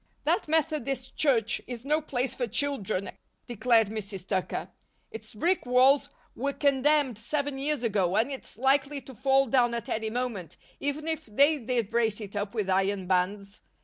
"That Methodist Church is no place for children," declared Mrs. Tucker. "Its brick walls were condemned seven years ago and it's likely to fall down at any moment, even if they did brace it up with iron bands.